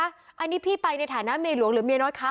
อันนี้พี่ไปในฐานะเมียหลวงหรือเมียน้อยคะ